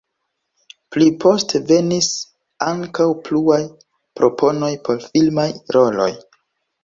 Pli poste venis ankaŭ pluaj proponoj por filmaj roloj.